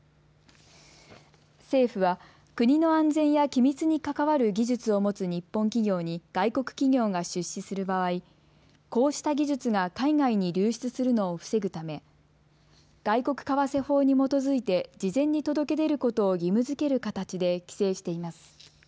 政府は国の安全や機密に関わる技術を持つ日本企業に外国企業が出資する場合、こうした技術が海外に流出するのを防ぐため外国為替法に基づいて事前に届け出ることを義務づける形で規制しています。